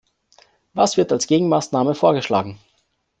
Was wird als Gegenmaßnahme vorgeschlagen?